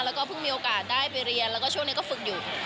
แล้วก็เพิ่งมีโอกาสได้ไปเรียนแล้วก็ช่วงนี้ก็ฝึกอยู่